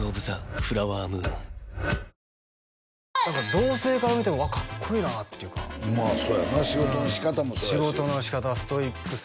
同性から見ても「うわかっこいいな」っていうかそうやな仕事の仕方もそうやし仕事の仕方ストイックさ